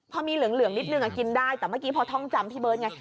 พอมีเหลืองนิดนึงกินได้แต่เมื่อกี้พอท่องจำพี่เบิร์ตไง